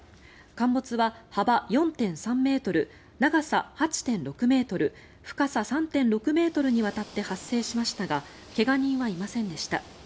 陥没は幅４．３ｍ長さ８．６ｍ深さ３．６ｍにわたって発生しましたが怪我人はいませんでした。